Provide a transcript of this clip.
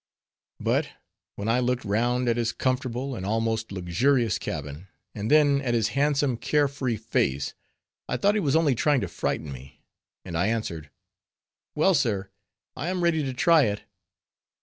But when I looked round at his comfortable, and almost luxurious cabin, and then at his handsome care free face, I thought he was only trying to frighten me, and I answered, "Well, sir, I am ready to try it."